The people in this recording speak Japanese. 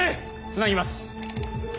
つなぎます。